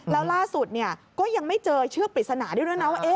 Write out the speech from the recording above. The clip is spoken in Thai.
แล้วล่าสุดก็ยังไม่เจอเชือกปริศนาด้วยด้วยนะว่า